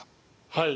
はい。